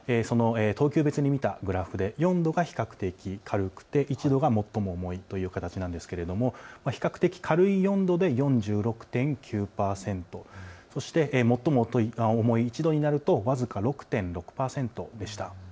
４度が比較的軽くて１度が最も重いという形なんですけれど比較的軽い４度で４６．９％、そして最も重い１度になると僅か６．６％でした。